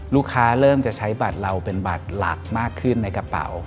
เริ่มจะใช้บัตรเราเป็นบัตรหลักมากขึ้นในกระเป๋า